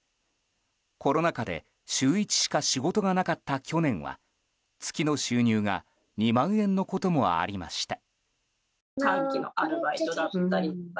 コロナ禍で週１しか仕事がなかった去年は月の収入が２万円のこともありました。